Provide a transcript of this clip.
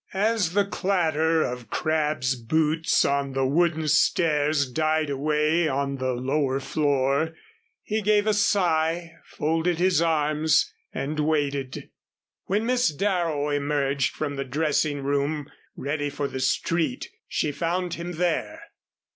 As the clatter of Crabb's boots on the wooden stairs died away on the lower floor, he gave a sigh, folded his arms and waited. When Miss Darrow emerged from the dressing room ready for the street, she found him there.